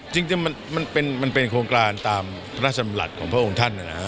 จริงมันเป็นโครงการตามพระราชนำหลัดของพระองค์ท่าน